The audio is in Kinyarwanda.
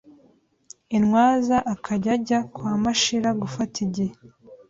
Intwaza akajya ajya kwa Mashira gufata igihe,